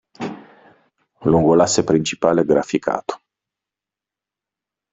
Lungo l'asse principale graficato.